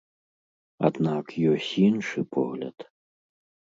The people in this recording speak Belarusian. Аднак ёсць іншы погляд.